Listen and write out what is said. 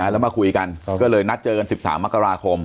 แล้วมาคุยกันก็เลยนัดเจอกัน๑๓มกราคม